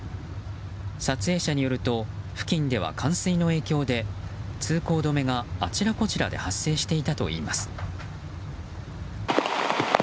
撮影者によると付近では冠水の影響で通行止めがあちらこちらで発生していたといいます。